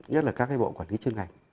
nhất là các cái bộ quản lý chuyên ngành